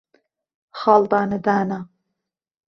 خاڵ دانهدانه